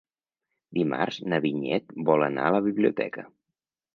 Dimarts na Vinyet vol anar a la biblioteca.